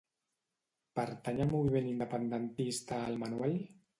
Pertany al moviment independentista el Manuel?